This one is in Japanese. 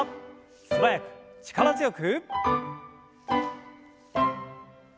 素早く力強く。